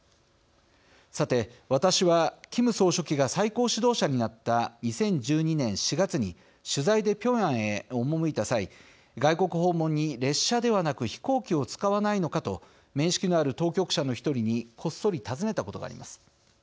さて私はキム総書記が最高指導者になった２０１２年４月に取材でピョンヤンへ赴いた際外国訪問に列車ではなく飛行機を使わないのかと面識のある当局者の１人にこっそり尋ねたことがあります。